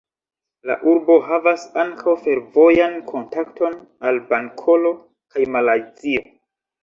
La urbo havas ankaŭ fervojan kontakton al Bankoko kaj Malajzio.